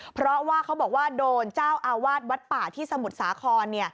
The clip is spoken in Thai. เพราะว่าเขาบอกว่าโดนเจ้าอาวาสวัดป่าที่สมุทรสาคร